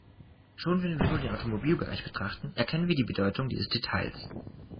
Schon wenn wir nur den Automobilbereich betrachten, erkennen wir die Bedeutung dieses Details.